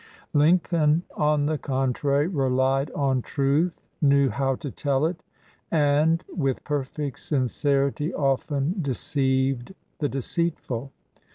Lincoln, on the contrary, relied on truth, knew how to tell it, and "with perfect sincerity often deceived the deceitful."